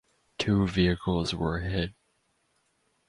Two vehicles were hit.